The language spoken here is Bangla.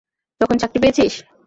যখন চাকরি পেয়েছিস?